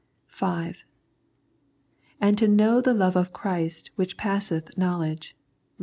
(5) " And to know the love of Christ which passeth knowledge " (ver.